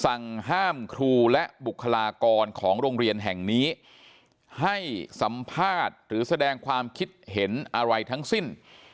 สั่งห้ามครูและบุคลากรของโรงเรียนแห่งนี้ให้สัมภาษณ์หรือแสดงความคิดเห็นอะไรทั้งสิ้น